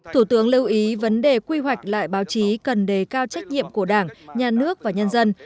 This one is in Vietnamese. thủ tướng lưu ý vấn đề quy hoạch lại báo chí cần đề cao trách nhiệm của đảng nhà nước và nhân dân